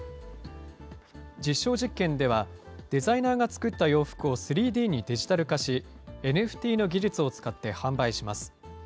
実証実験では、デザイナーが作った洋服を３Ｄにデジタル化し、ＮＦＴの技術を使って販売します。